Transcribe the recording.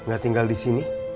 gak tinggal disini